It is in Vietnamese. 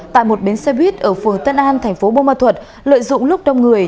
tại một bến xe buýt ở phường tân an thành phố bông mơ thuật lợi dụng lúc đông người